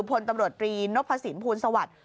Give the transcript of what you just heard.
พลตำรวจรีนนกภาษีนพูลสวัสดิ์